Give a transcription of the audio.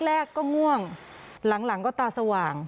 แรกก็ง่วงหลังก็ตาสว่าง